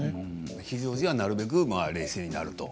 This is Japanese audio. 非常時はなるべく冷静になると。